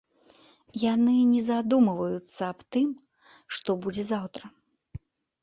Яны не задумваюцца аб тым, што будзе заўтра.